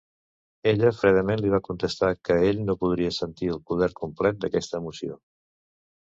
Ella fredament li va contestar que ell no podria sentir el poder complet d'aquesta emoció.